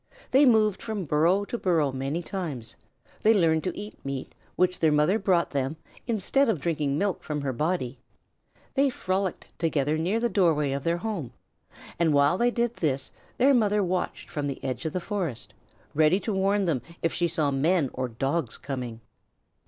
They moved from burrow to burrow many times; they learned to eat meat which their mother brought them instead of drinking milk from her body, they frolicked together near the doorway of their home, and while they did this their mother watched from the edge of the forest, ready to warn them if she saw men or dogs coming.